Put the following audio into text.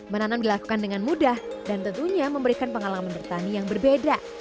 menanam dilakukan dengan mudah dan tentunya memberikan pengalaman bertani yang berbeda